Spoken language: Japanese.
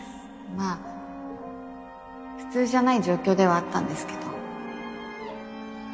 まあ普通じゃない状況ではあったんですけど